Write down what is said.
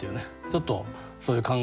ちょっとそういう感慨